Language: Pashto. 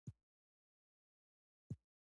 جاوید تصوف ته مخه کړه او د قادرې طریقې لاروی شو